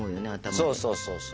そうそうそうそう。